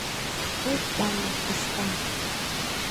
— Ых-х, янлык тӱшка!